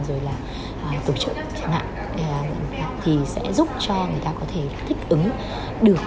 rồi là tổ chức chẳng hạn thì sẽ giúp cho người ta có thể thích ứng được